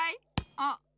あっ！